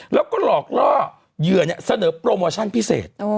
แล้วก็หลอกล่อเหยื่อเสนอโปรโมชั่นพิเศษ